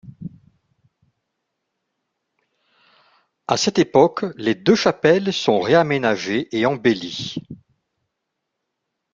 À cette époque les deux chapelles sont réaménagées et embellies.